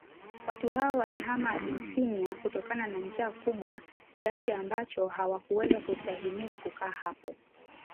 Watu hao waliihama Abysinia kutokana na njaa kubwa kiasi ambacho hawakuweza kustahimili kukaa hapo